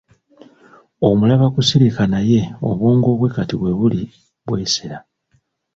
Omulaba kusirika naye obwongo bwe kati we buli bwesera.